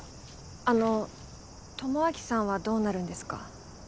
あの智明さんはどうなるんですか？